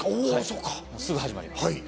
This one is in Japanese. すぐ始まります。